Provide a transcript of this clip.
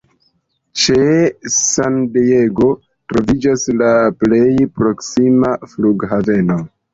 Ĉe San Diego troviĝas la plej proksima flughaveno.